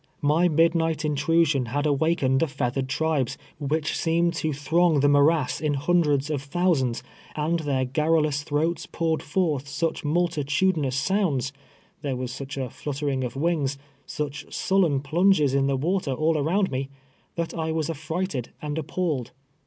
My midnight intrusion had awakened the feathered tribes, which seemed to throng the mo rass in hundreds of thousands, and their garrulous throats poured forth such multitudinous sounds — there was such a fluttering of wings — such sullen plunges in the water all around me — that I was af frighted and a2')palled.